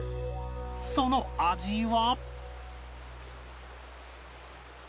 その味は